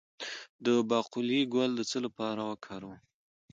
د باقلي ګل د څه لپاره وکاروم؟